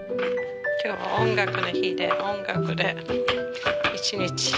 今日は音楽の日で音楽で一日。